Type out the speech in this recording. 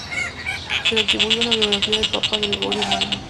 Se le atribuye una biografía del papa Gregorio Magno.